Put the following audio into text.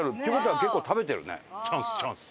チャンスチャンス！